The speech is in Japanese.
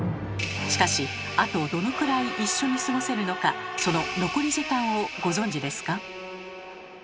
しかしあとどのくらい一緒に過ごせるのかその残り時間をご存じですか？